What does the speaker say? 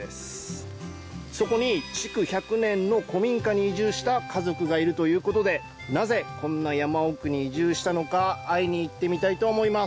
そこに築１００年の古民家に移住した家族がいるという事でなぜこんな山奥に移住したのか会いに行ってみたいと思います。